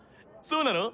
そうなの？